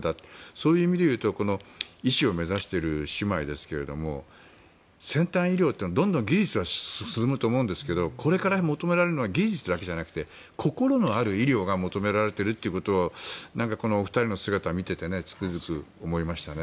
そういう意味で言うと医師を目指している姉妹ですが先端医療というどんどん技術は進むと思うんですけどこれから求められるのは技術だけじゃなくて心のある医療が求められているということをこのお二人の姿を見てつくづく思いましたね。